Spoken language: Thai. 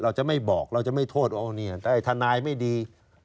เราจะไม่บอกเราจะไม่โทษเอาเนี่ยแต่ทนายไม่ดี